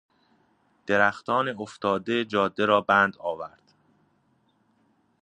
درختان افتاده جاده را بند آورد.